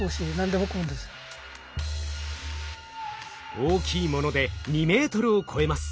大きいのもので２メートルを超えます。